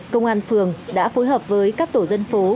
công an phường đã phối hợp với các tổ dân phố